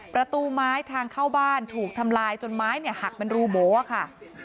ประตูไม้ทางเข้าบ้านถูกทำลายจนไม้หักเป็นรูโบอะค่ะ